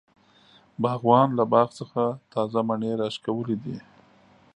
باغوان له باغ څخه تازه مڼی راشکولی دی.